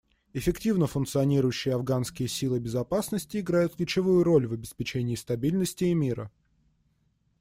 Эффективно функционирующие афганские силы безопасности играют ключевую роль в обеспечении стабильности и мира.